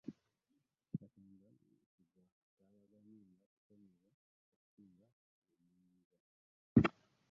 Katonda mwesigwa, ataabaganyenga kukemebwa okusinga bwe muyinza.